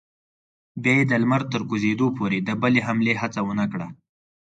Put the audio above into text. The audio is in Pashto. بیا یې د لمر تر کوزېدو پورې د بلې حملې هڅه ونه کړه.